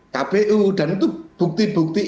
kpu dan itu bukti bukti